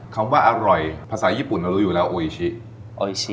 คำว่าอร่อยภาษาญี่ปุ่นเรารู้อยู่แล้วโออิชิโอชิ